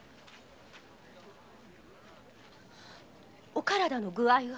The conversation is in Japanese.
お体の具合が？